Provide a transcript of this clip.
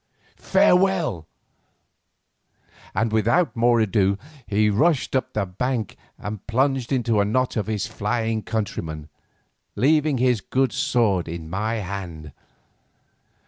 Farewell;" and without more ado he rushed up the bank and plunged into a knot of his flying countrymen, leaving his good sword in my hand.